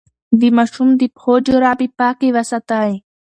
د ماشوم د پښو جرابې پاکې وساتئ.